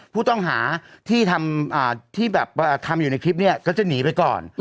ผู้ต้องหาที่แบบทำอยู่ในคลิปนี้ก็จะหนีไปก่อน